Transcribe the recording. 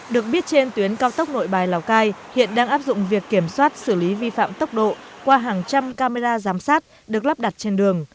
được biết trên tuyến cao tốc nội bài lào cai hiện đang áp dụng việc kiểm soát xử lý vi phạm tốc độ qua hàng trăm camera giám sát được lắp đặt trên đường